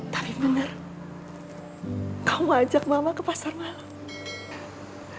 tapi bener kamu ajak mama ke pasar malem